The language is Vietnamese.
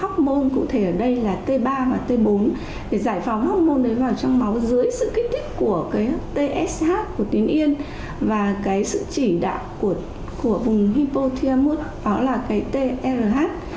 học môn cụ thể ở đây là t ba và t bốn để giải phóng học môn vào trong máu dưới sự kích thích của tsh của tuyến yên và sự chỉ đạo của vùng hypo thia mút đó là trh